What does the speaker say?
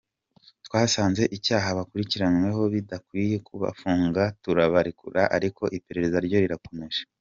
Twasanze icyaha bakurikiranyweho bidakwiye kubafunga turabarekura ariko iperereza ryo rirakomeje.